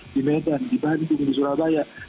di medan di bandung di surabaya